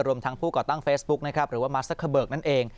รวมทั้งผู้ก่อตั้งเฟซบุ๊กนะครับหรือว่ามาซักเกอร์เบิกนั่นเอง